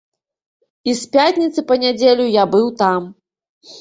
І з пятніцы па нядзелю я быў там.